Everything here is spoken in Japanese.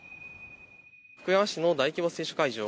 福山市の大規模接種会場。